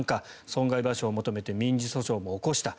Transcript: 損害賠償を求めて民事訴訟を起こした。